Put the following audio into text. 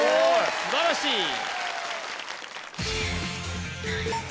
素晴らしいさあ